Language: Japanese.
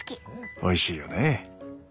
おいしいよね。